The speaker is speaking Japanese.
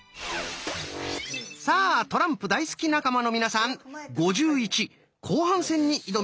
さあトランプ大好き仲間の皆さん「５１」後半戦に挑みます。